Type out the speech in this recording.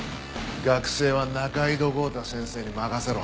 学生は仲井戸豪太先生に任せろ。